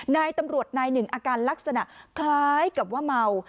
นายตำรวจนายหนึ่งอาการลักษณะคล้ายกับว่าเมา